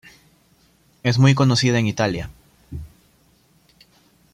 Es muy conocida en Italia.